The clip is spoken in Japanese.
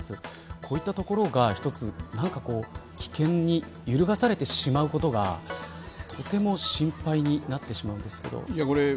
こういったところが何か危険に揺るがされてしまうことがとても心配になってしまうんですけど。